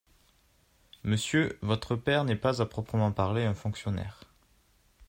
Monsieur votre père n’est pas à proprement parler un fonctionnaire…